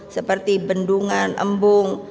seperti bendungan embung